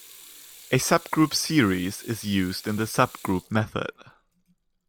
A subgroup series is used in the subgroup method.